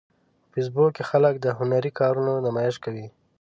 په فېسبوک کې خلک د هنري کارونو نمایش کوي